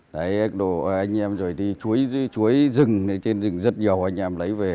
đồ anh em rồi đi chuối rừng trên rừng rất nhiều anh em lấy về